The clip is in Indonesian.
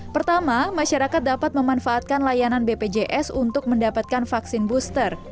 pertama masyarakat dapat memanfaatkan layanan bpjs untuk mendapatkan vaksin booster